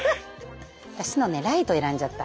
私のねライト選んじゃった。